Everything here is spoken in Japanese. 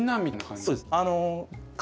そうですか。